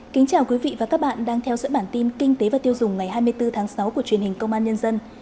kính chào quý vị và các bạn đang theo dõi bản tin kinh tế và tiêu dùng ngày hai mươi bốn tháng sáu của truyền hình công an nhân dân